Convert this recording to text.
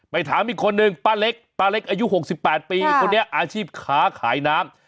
ถามอีกคนนึงป้าเล็กป้าเล็กอายุ๖๘ปีคนนี้อาชีพค้าขายน้ำ